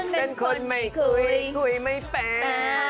เป็นคนไม่คุยคุยไม่เป็น